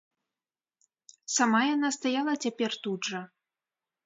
Сама яна стаяла цяпер тут жа.